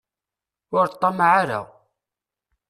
Ur ṭṭamaɛ ara.